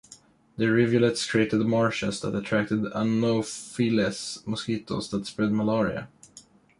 The rivulets created marshes that attracted Anopheles mosquitoes that spread malaria.